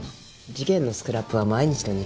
事件のスクラップは毎日の日課だから。